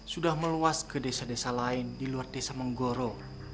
sudah meluas ke desa desa lain di luar desa menggoro